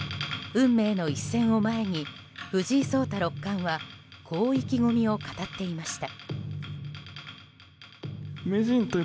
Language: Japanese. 運命の一戦を前に藤井聡太六冠はこう意気込みを語っていました。